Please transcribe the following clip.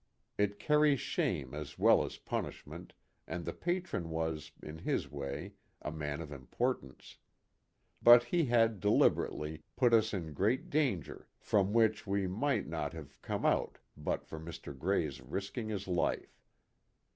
It carries shame as well as punishment and the Patron was, in his way, a man of impor tance. But he had, deliberately, put us in great danger from which we might not have come out but for Mr. Grey's risking his life.